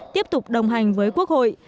tiếp tục đồng hành với quốc hội